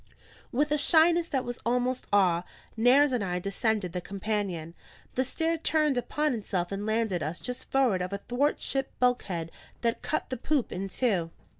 With a shyness that was almost awe, Nares and I descended the companion. The stair turned upon itself and landed us just forward of a thwart ship bulkhead that cut the poop in two.